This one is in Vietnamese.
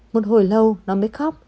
một hồi lâu nó mới khóc